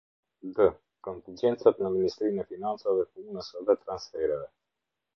D Kontigjencat në Ministrinë e Financave, Punës dhe Transfereve.